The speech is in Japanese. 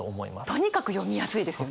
とにかく読みやすいですよね。